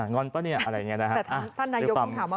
งอนป่ะเนี่ยอะไรแบบนี้นะครับ